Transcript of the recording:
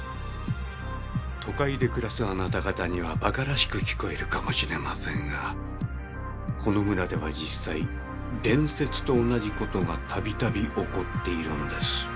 都会で暮らすあなた方には馬鹿らしく聞こえるかもしれませんがこの村では実際伝説と同じ事がたびたび起こっているのです。